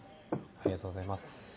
ありがとうございます。